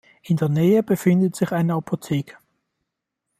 In der Nähe befindet sich eine Apotheke.